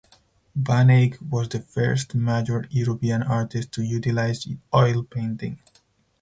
Van Eyck was the first major European artist to utilize oil painting.